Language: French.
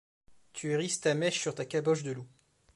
Tu hérisses ta mèche sur ta caboche de loup.